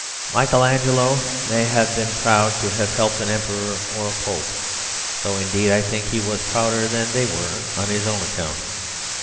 Michael Angelo may have been proud to have helped an emperor or a pope; though, indeed, I think he was prouder than they were on his own account.